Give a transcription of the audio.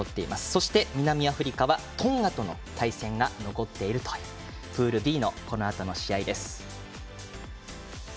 そして、南アフリカはトンガとの対戦が残っているというプールＢのこのあとの試合です。